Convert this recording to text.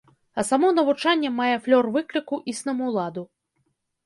А само навучанне мае флёр выкліку існаму ладу.